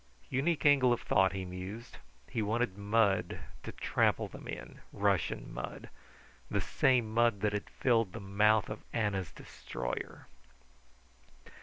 Unique angle of thought, he mused. He wanted mud to trample them in, Russian mud. The same mud that had filled the mouth of Anna's destroyer.